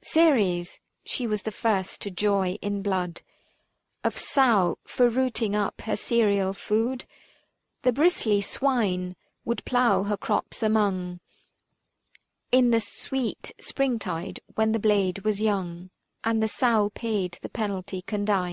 Ceres — she was the first to joy in blood 375 Of sow, for rooting up her cereal food. The bristly swine would plough her crops among In the sweet springtide when the blade was young ; And the sow paid the penalty condign.